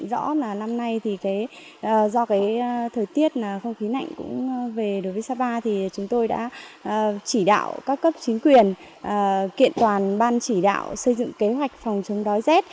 hôm nay do thời tiết không khí nạnh về sapa chúng tôi đã chỉ đạo các cấp chính quyền kiện toàn ban chỉ đạo xây dựng kế hoạch phòng chống đói z